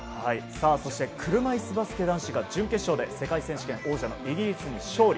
そして車いすバスケ男子が準決勝で世界選手権王者のイギリスに勝利。